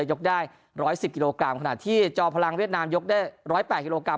ยกได้ร้อยสิบกิโลกรัมขณะที่จอมพลังเวียดนามยกได้ร้อยแปดกิโลกรัม